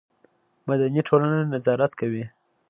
مدني ټولنه نظارت کوي